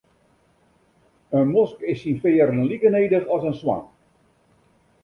In mosk is syn fearen like nedich as in swan.